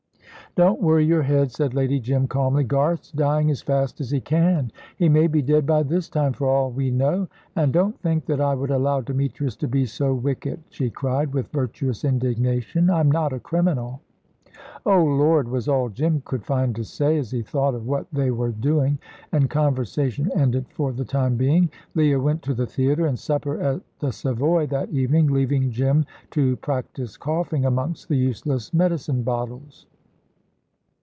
"Don't worry your head," said Lady Jim, calmly. "Garth's dying as fast as he can; he may be dead by this time, for all we know. And don't think that I would allow Demetrius to be so wicked," she cried, with virtuous indignation. "I'm not a criminal." "Oh, Lord!" was all Jim could find to say, as he thought of what they were doing, and conversation ended for the time being. Leah went to the theatre and supper at the Savoy that evening, leaving Jim to practise coughing amongst the useless medicine bottles.